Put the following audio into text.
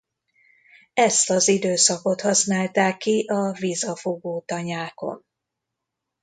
Ezt az időszakot használták ki a vizafogó tanyákon.